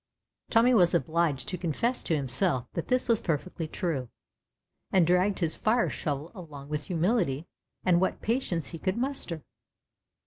Tommy was obliged to confess to himself that this was perfectly true, and dragged his fire shovel along with humility and what patience he could muster.